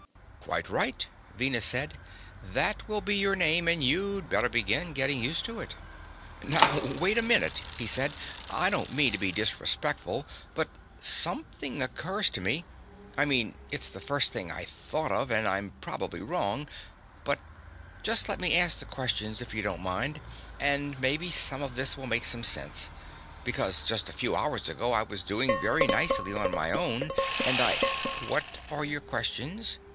"Quite right," Venus said. "That will be your name, and you'd better begin getting used to it." "Now wait a minute!" he said. "I don't mean to be disrespectful, but something occurs to me. I mean, it's the first thing I thought of, and I'm probably wrong, but just let me ask the questions, if you don't mind, and maybe some of this will make some sense. Because just a few hours ago I was doing very nicely on my own and I " "What are your questions?"